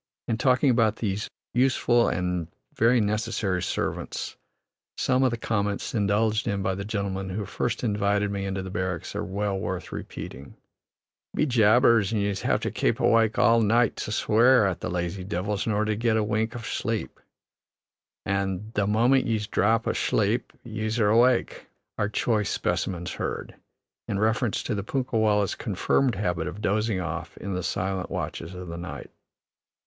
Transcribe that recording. In talking about these useful and very necessary servants, some of the comments indulged in by the gentleman who first invited me into the barracks are well worth repeating: "Be jabbers, an' yeez have to kape wide awake all night to swear at the lazy divils, in orther to git a wink av shlape" and "The moment yeez dhrap ashlape, yeez are awake," are choice specimens, heard in reference to the punkah wallahs' confirmed habit of dozing off in the silent watches of the night.